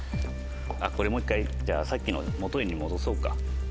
これもう一回じゃあさっきの元に戻そうか。